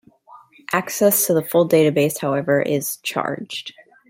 Access to the full database, however, is charged.